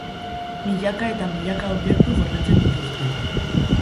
Milaka eta milaka objektu gordetzen dituzte.